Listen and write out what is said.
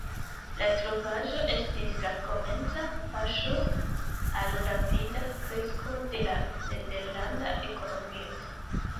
La trovaĵo estis la komenca paŝo al rapida kresko de la nederlanda ekonomio.